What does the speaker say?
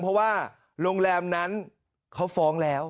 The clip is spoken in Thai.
เพราะว่าโรงแรมนั้นเขาฟ้องแล้ว